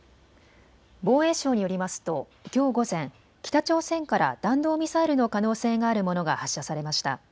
防衛省によりますときょう午前、北朝鮮から弾道ミサイルの可能性があるものが発射されました。